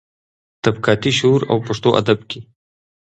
طبقاتي شعور او پښتو ادب کې.